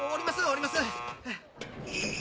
降ります！